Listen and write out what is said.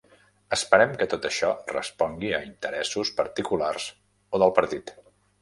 Esperem que tot això respongui a interessos particulars o del partit.